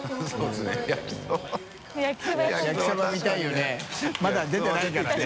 い茲まだ出てないからね。